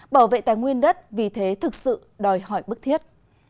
bảo vệ tài nguyên đất vì thế thực sự đòi hỏi bức thiết